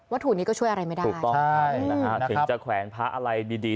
วัตถุนี้ก็ช่วยอะไรไม่ได้ถึงจะแขวนพระอะไรดี